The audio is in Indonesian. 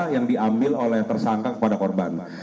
yang diambil oleh tersangka kepada korban